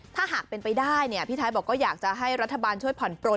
ถ้าหากเป็นไปได้เนี่ยพี่ไทยบอกก็อยากจะให้รัฐบาลช่วยผ่อนปลน